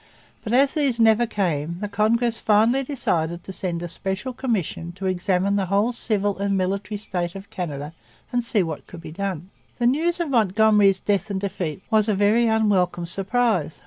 But as these never came the Congress finally decided to send a special commission to examine the whole civil and military state of Canada and see what could be done. The news of Montgomery's death and defeat was a very unwelcome surprise.